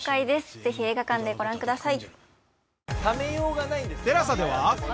ぜひ映画館でご覧ください。